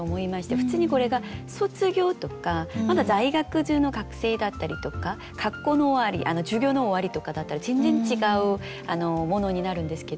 普通にこれが「卒業」とかまだ在学中の学生だったりとか学校の終わり「授業の終わり」とかだったら全然違うものになるんですけど。